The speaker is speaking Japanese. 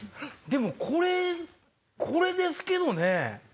でもこれですけどね。